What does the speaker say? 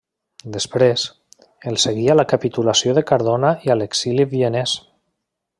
Després, el seguí a la capitulació de Cardona i a l'exili vienès.